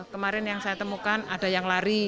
kemarin yang saya temukan ada yang lari